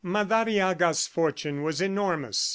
Madariaga's fortune was enormous.